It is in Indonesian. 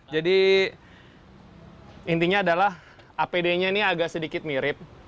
jadi intinya adalah apd nya ini agak sedikit mirip